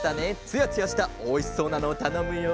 つやつやしたおいしそうなのをたのむよ。